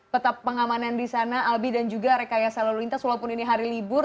tetap pengamanan di sana albi dan juga rekayasa lalu lintas walaupun ini hari libur